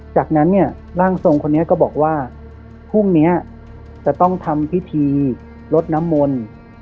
จากนั้นเนี่ยร่างทรงคนนี้ก็บอกว่าพรุ่งนี้จะต้องทำพิธีลดน้ำมนต์